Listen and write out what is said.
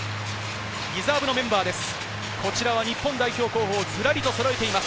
リザーブのメンバーです。